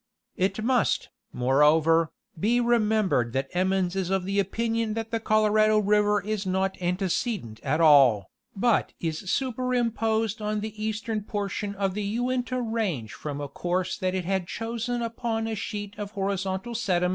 It must, moreover, be remembered that Emmons* is of the opinion that the Colorado. river is not antecedent at all, but is superimposed on the eastern portion of the Uinta range from a course that it had chosen upon a sheet of horizontal sedi